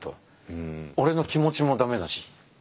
俺の気持ちもダメだし。